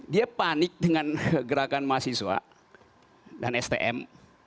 dia panik dengan gerakan mahasiswa dan stm